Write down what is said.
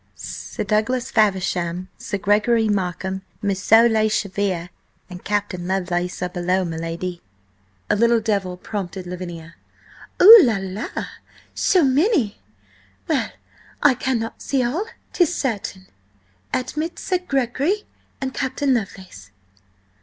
"Sir Douglas Faversham, Sir Gregory Markham, Moosso le Chevalier and Captain Lovelace are below, m'lady." A little devil prompted Lavinia. "Oh, la la! So many? Well, I cannot see all, 'tis certain. Admit Sir Gregory and Captain Lovelace."